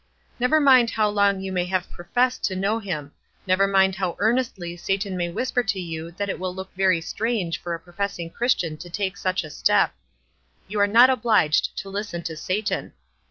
Never mind how long you may have professed to know him ; never mind how earnestly Satan may whisper to you that it will look very strange for a pro fessing Christian to take such a step. You are not obliged to listen to Satan.